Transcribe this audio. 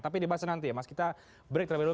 tapi dibahas nanti ya mas kita break terlebih dulu